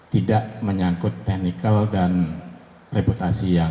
tidak menyangkut technical dan reputasi yang